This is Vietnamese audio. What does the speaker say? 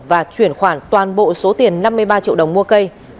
và chuyển khoản toàn bộ số tiền năm mươi ba triệu đồng mua cây